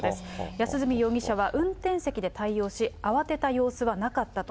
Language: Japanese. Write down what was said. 安栖容疑者は運転席で対応し、慌てた様子はなかったと。